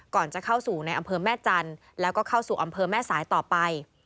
ก่อนจะเข้าสู่ในอำเภอแม่จันทร์แล้วก็เข้าสู่อำเภอแม่สายต่อไป